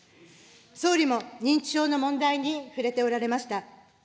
総理も認知症の問題に触れておられました。